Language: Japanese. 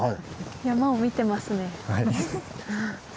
山を見てますね。